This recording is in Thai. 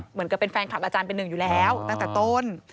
เหมือนกับเป็นแฟนคลับอาจารย์เป็นหนึ่งอยู่แล้วตั้งแต่ต้น